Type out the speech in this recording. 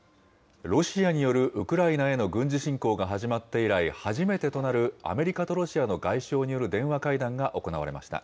ロシアによるウクライナへの軍事侵攻が始まって以来、初めてとなるアメリカとロシアの外相による電話会談が行われました。